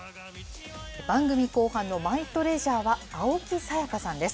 番組後半のマイトレジャーは、青木さやかさんです。